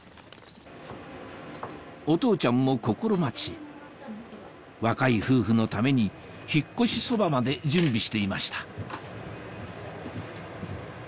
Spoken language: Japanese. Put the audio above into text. お父ちゃんも心待ち若い夫婦のために引っ越しそばまで準備していました